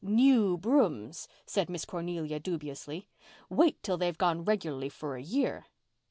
"New brooms!" said Miss Cornelia dubiously. "Wait till they've gone regularly for a year."